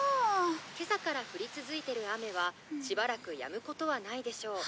「今朝から降り続いてる雨はしばらくやむことはないでしょう」